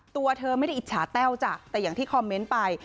ตัวเธอไม่ได้อิจฉาแต้วจ้ะแต่อย่างที่คอมเมนต์ไป